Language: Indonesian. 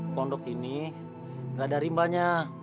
pondok ini nggak ada rimbanya